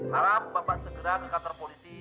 harap bapak segera ke kantor polisi